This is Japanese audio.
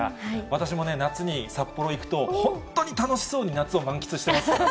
私もね、夏に札幌行くと、本当に楽しそうに夏を満喫してますからね。